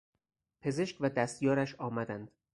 پزشک و دستیارش آمدند.